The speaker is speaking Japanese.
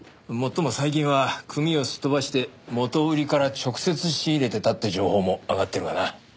もっとも最近は組をすっ飛ばして元売から直接仕入れてたって情報も上がってるがな。